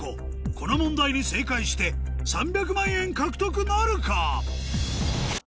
この問題に正解して３００万円獲得なるか？